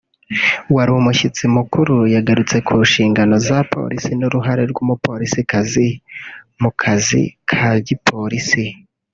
wari umushyitsi mukuru yagarutse ku nshingano za Polisi n’uruhare rw’Umupolisikazi mu kazi ka gipolisi